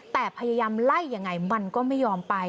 แต่พยายามไล่ยังไงมันก็ไม่ยอมไป